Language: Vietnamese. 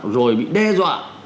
rồi bị đe dọa